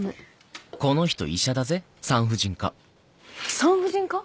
産婦人科？